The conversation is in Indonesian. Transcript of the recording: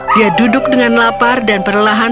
dia duduk dengan lapar dan perlahan